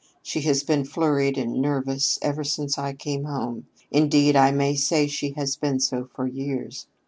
She has been flurried and nervous ever since I came home; indeed, I may say she has been so for years.